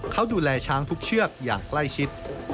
เขาดูแลช้างทุกเชือกอย่างใกล้ชิด